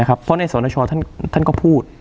เพราะในสงสัยชอบนะครับท่านก็พูด